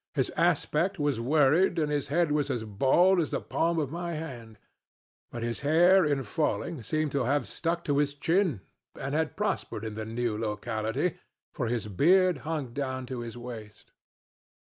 His aspect was worried, and his head was as bald as the palm of my hand; but his hair in falling seemed to have stuck to his chin, and had prospered in the new locality, for his beard hung down to his waist.